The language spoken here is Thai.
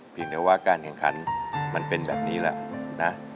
เพียงแต่ว่าการแข่งขันมันเป็นแบบนี้แหละนะ